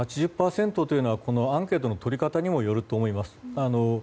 ８０％はアンケートの取り方によると思います。